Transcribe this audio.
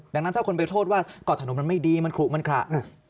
ดังนั้นถ้าคนไปโทษว่าเกาะถนนมันไม่ดีมันขลุมันขระ